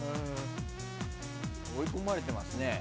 追い込まれてますね。